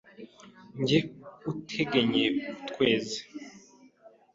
Jye utugenye utweze